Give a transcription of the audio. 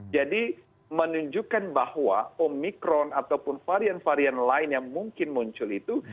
jadi menunjukkan bahwa omikron ataupun varian varian lain yang mungkin muncul itu